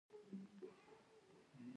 ډله عسکر هرات ته رسېدلی دي.